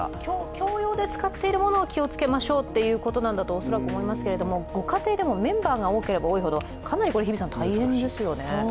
共用で使っているものを気をつけましょうということだと恐らく思うんですがご家庭でもメンバーが多ければ多いほどかなり大変ですよね。